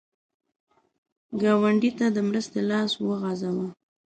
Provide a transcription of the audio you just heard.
ګاونډي ته د مرستې لاس وغځوه